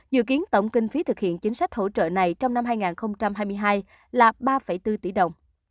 dự kiến tổng kinh phí thực hiện chính sách hỗ trợ này trong năm hai nghìn hai mươi hai là ba bốn tỷ đồng